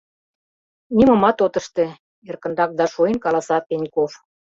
— Нимомат от ыште, — эркынрак да шуэн каласа Пеньков.